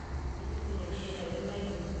Һин бит мине бөтөнләй белмәйһең.